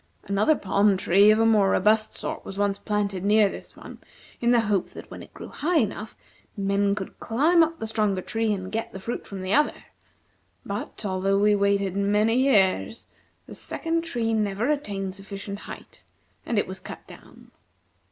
Another palm tree of a more robust sort was once planted near this one in the hope that when it grew high enough, men could climb up the stronger tree and get the fruit from the other. But, although we waited many years the second tree never attained sufficient height, and it was cut down."